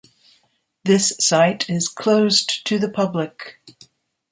This site is closed to the public.